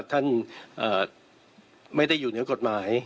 ท่านไม่ได้อยู่เหนือกฎหมาย